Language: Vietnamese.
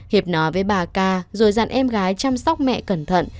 hiệp nói với bà ca rồi dặn em gái chăm sóc mẹ cẩn thận